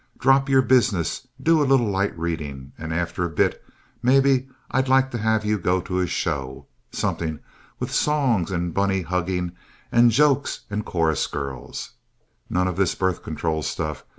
Drop your business. Do a little light reading, and after a bit maybe I'd like to have you go to a show. Something with songs and bunny hugging and jokes and chorus girls. None of this birth control stuff.